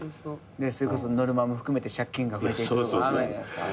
それこそノルマも含めて借金が増えていくとかあるんじゃないですか。